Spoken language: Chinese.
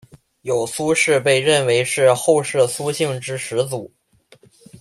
有苏氏被认为是后世苏姓之始祖。